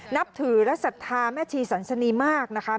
นับถือและศรัทธาแม่ชีสันสนีมากนะคะ